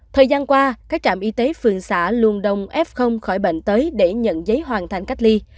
thời gian qua các trạm y tế phường xã luôn đông f khỏi bệnh tới để nhận giấy hoàn thành cách ly